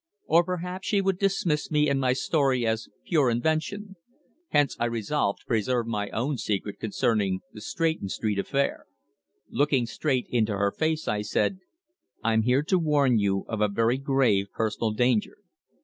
Or perhaps she would dismiss me and my story as pure invention. Hence I resolved to preserve my own secret concerning the Stretton Street Affair. Looking straight into her face, I said: "I'm here to warn you of a very grave personal danger."